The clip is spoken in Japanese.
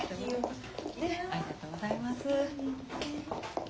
ありがとうございます。